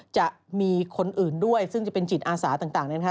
จะมีคนอื่นด้วยซึ่งจะเป็นจิตอาสาต่าง